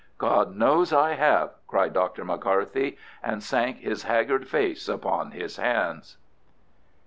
"God knows I have!" cried Dr. McCarthy, and sank his haggard face upon his hands.